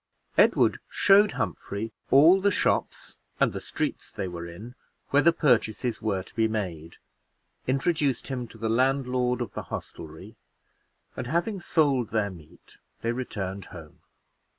Edward showed Humphrey all the shops and the streets they were in where the purchases were to be made introduced him to the landlord of the hostelry and having sold their meat, they returned home.